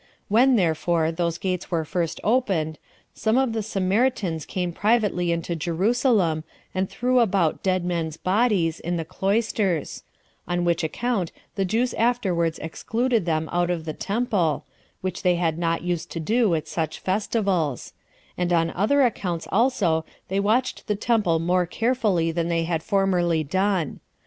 When, therefore, those gates were first opened, some of the Samaritans came privately into Jerusalem, and threw about dead men's bodies, in the cloisters; on which account the Jews afterward excluded them out of the temple, which they had not used to do at such festivals; and on other accounts also they watched the temple more carefully than they had formerly done.